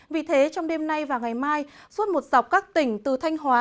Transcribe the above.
vì thế trong đêm nay và ngày mai suốt một dọc các tỉnh từ thanh hóa